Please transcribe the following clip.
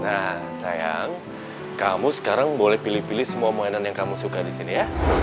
nah sayang kamu sekarang boleh pilih pilih semua mainan yang kamu suka di sini ya